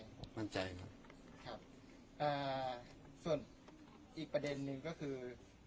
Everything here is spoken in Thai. ครับอ่าส่วนอีกประเด็นนึงก็คือ